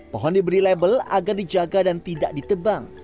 pohon diberi label agar dijaga dan tidak ditebang